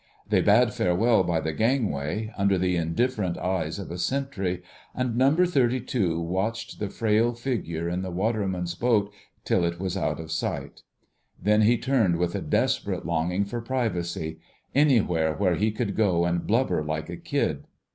They bade farewell by the gangway, under the indifferent eyes of a sentry, and Number 32 watched the frail figure in the waterman's boat till it was out of sight. Then he turned with a desperate longing for privacy—anywhere where he could go and blubber like a kid.